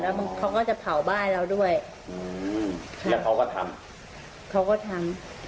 เขาก็จะเผาบ้านเราด้วยอืมแล้วเขาก็ทำเขาก็ทำ